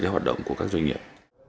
hoạt động của các doanh nghiệp